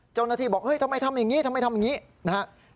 เจ้าหน้าที่บอกเฮ้ยทำไมทำอย่างนี้ทำไมทำอย่างนี้นะครับ